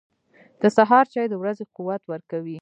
• د سهار چای د ورځې قوت ورکوي.